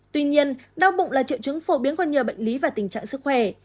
tuy nhiên đau bụng là triệu chứng phổ biến của nhiều bệnh lý và tình trạng sức khỏe